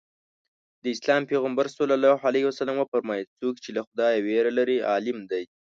د اسلام پیغمبر ص وفرمایل څوک چې له خدایه وېره لري عالم دی.